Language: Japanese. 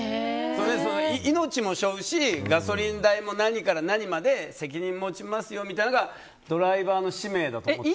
命も背負うしガソリン代から、何から何まで責任持ちますよみたいなのがドライバーの使命だと思ってた。